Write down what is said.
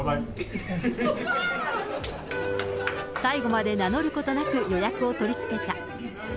最後まで名乗ることなく予約を取りつけた。